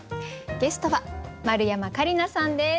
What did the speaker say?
ゲストは丸山桂里奈さんです。